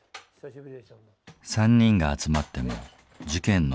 ３人が集まっても事件の話はしない。